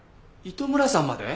糸村さんまで？